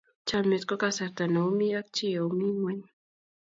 chamiet ko kasarta ne omi ak chi omi nyweng'